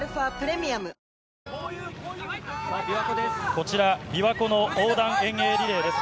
こちら、びわ湖の横断遠泳リレーです。